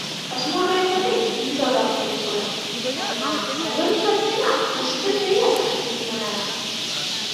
Asmo horretatik mintzo da pelikula, baina baliorik handiena ustelkeriaz argitzen duena da.